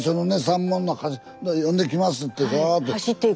山門の「呼んできます」ってガーッと。